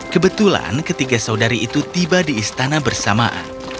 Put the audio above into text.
kebetulan ketiga saudari itu tiba di istana bersamaan